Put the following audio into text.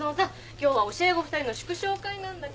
今日は教え子二人の祝勝会なんだから。